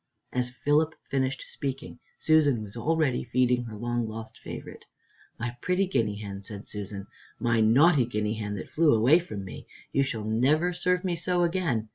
As Philip finished speaking, Susan was already feeding her long lost favorite. "My pretty guinea hen," said Susan, "my naughty guinea hen that flew away from me, you shall never serve me so again.